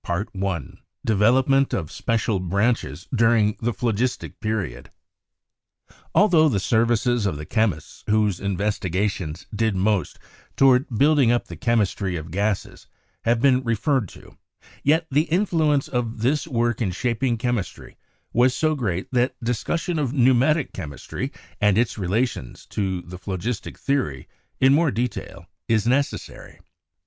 CHAPTER VIII DEVELOPMENT OF SPECIAL BRANCHES DURING THE PHLOGIS TIC PERIOD Altho the services of the chemists whose investiga tions did most toward building up the chemistry of gases have been referred to, yet the influence of this work in shaping chemistry was so great that discussion of pneu matic chemistry and its relations to the phlogistic theory, in more detail, is necessary.